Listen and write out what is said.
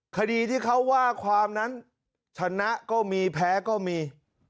คดีที่เขาว่าความนั้นชนะก็มีแพ้ก็มี